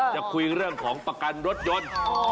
จะคุยเรื่องของประกันรถยนต์